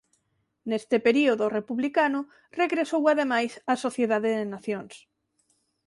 Neste período republicano regresou ademais á Sociedade de Nacións.